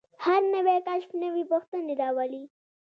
هر نوی کشف نوې پوښتنې راولي.